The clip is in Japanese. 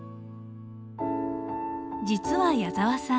実は矢澤さん